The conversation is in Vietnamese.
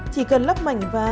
chỉ cần lấp mảnh vá